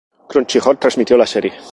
Crunchyroll transmitió la serie.